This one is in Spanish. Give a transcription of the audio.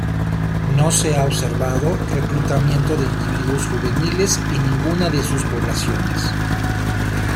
No se ha observado reclutamiento de individuos juveniles en ninguna de sus poblaciones.